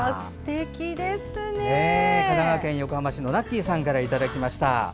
神奈川県横浜市のＮａｋｋｙさんからいただきました。